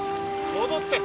戻って。